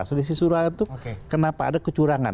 selisih suara itu kenapa ada kecurangan